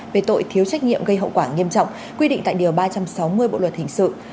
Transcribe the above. về tội thiếu trách nhiệm gây hậu quả nghiêm trọng quy định tại điều ba trăm sáu mươi bộ luật hình sự